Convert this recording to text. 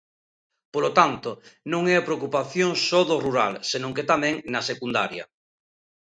Polo tanto, non é a preocupación só do rural, senón que tamén na secundaria.